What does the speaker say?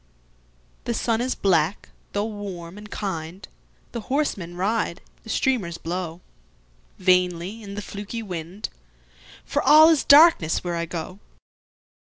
The sun is black, tho' warm and kind, The horsemen ride, the streamers blowVainly in the fluky wind, For all is darkness where I go.